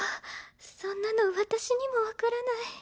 そんなの私にも分からない。